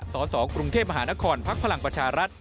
สสกรุงเทพมหานครพักพลังประชารัฐ